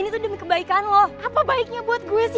tuh kan beda banget